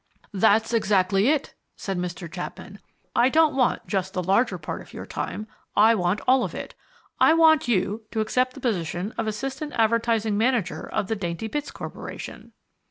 "That's exactly it," said Mr. Chapman. "I don't want just the larger part of your time. I want all of it. I want you to accept the position of assistant advertising manager of the Daintybits Corporation."